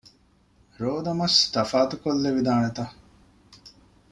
ރޯދަމަސް ތަފާތުކޮށްލެވިދާނެތަ؟